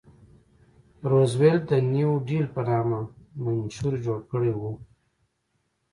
روزولټ د نیو ډیل په نامه منشور جوړ کړی و.